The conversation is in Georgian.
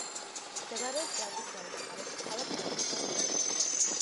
მდებარეობს ბრატისლავის მხარეში, ქალაქ ბრატისლავის ტერიტორიაზე.